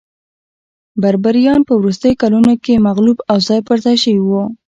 بربریان په وروستیو کلونو کې مغلوب او ځای پرځای شوي وو